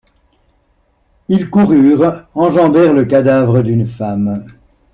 Ils coururent, enjambèrent le cadavre d'une femme.